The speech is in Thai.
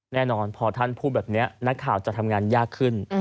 แน่นอนพอท่านพูดแบบนี้นักข่าวจะทำงานยากขึ้น